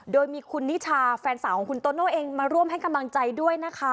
โดยแฟนสาวของคุณโตโน่เองมีคุณนิทชามาร่วมให้กำลังใจด้วย